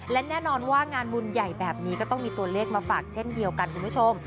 และแน่นอนว่างานบุญใหญ่แบบนี้ก็ต้องมีตัวเลขมาฝากเช่นเดียวกันคุณผู้ชม